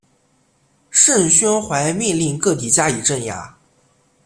盛宣怀命令各地加以镇压。